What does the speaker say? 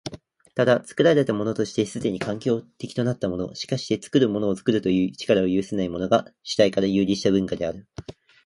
ただ、作られたものとして既に環境的となったもの、しかして作るものを作るという力を有せないものが、主体から遊離した文化である。